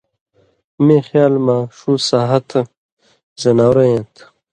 میں خیال مہ ݜُو سہتہۡ زناؤرہ ایں تھہ،